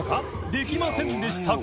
できませんでしたか？